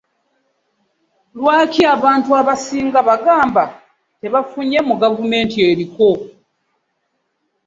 Lwaki abantu abasinga bagamba tebafunye mu gavumenti eriko?